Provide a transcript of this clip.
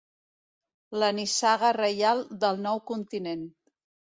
La nissaga reial del nou continent.